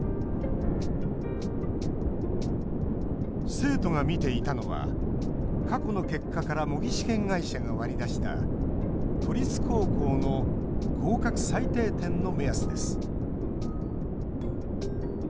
生徒が見ていたのは過去の結果から模擬試験会社が割り出した都立高校の合格最低点の目安です。